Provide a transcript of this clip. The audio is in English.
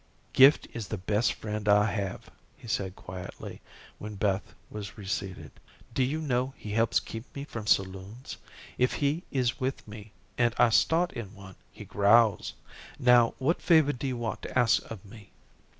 "Gift is the best friend I have," he said quietly when Beth was reseated. "Do you know he helps keep me from saloons. If he is with me and I start in one, he growls. Now, what favor do you want to ask of me?"